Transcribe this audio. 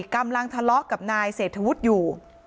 กำลังทะเลาะกับนายเศรษฐวุฒิอยู่